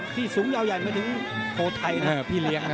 ที่สูงยาวใหญ่มาถึงโทษไทยนะ